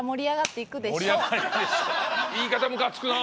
言い方ムカつくな！